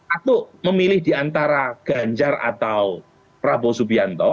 atau memilih diantara ganjar atau prabowo subianto